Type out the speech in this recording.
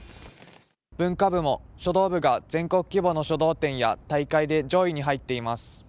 文化部も、書道部が全国規模の書道展や大会で上位に入っています。